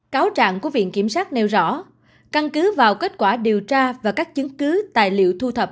cáo trạng của viện kiểm sát nêu rõ căn cứ vào kết quả điều tra và các chứng cứ tài liệu thu thập